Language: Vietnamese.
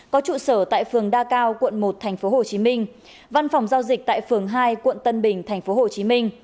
có trụ sở tại phường đa cao quận một tp hcm văn phòng giao dịch tại phường hai quận tân bình tp hcm